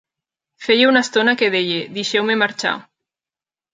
Feia una estona que deia: "Deixeu-me marxar!".